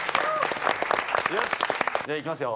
・よしじゃいきますよ。